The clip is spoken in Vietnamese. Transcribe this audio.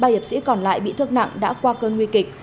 ba hiệp sĩ còn lại bị thương nặng đã qua cơn nguy kịch